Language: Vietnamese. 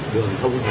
đường thông hẻ hoa